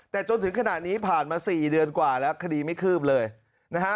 แต่จนถึงขณะนี้ผ่านมา๔เดือนกว่าแล้วคดีไม่คืบเลยนะฮะ